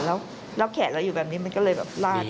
แล้วแขนเราอยู่แบบนี้มันก็เลยแบบลาด